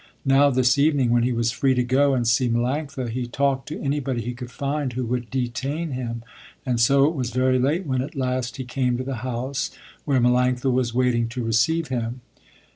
Now, this evening, when he was free to go and see Melanctha, he talked to anybody he could find who would detain him, and so it was very late when at last he came to the house where Melanctha was waiting to receive him.